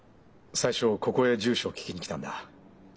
最初ここへ住所を聞きに来たんだ。